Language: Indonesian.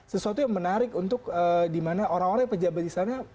sesuatu yang menarik untuk dimana orang orang yang pejabat di sana